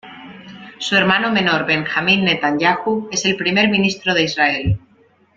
Su hermano menor Benjamin Netanyahu es el actual Primer Ministro de Israel.